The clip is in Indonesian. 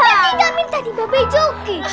nanti gak minta di babay juki